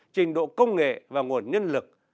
trình độ công nghệ và nguồn nhân lực